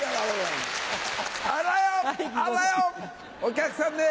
お客さんね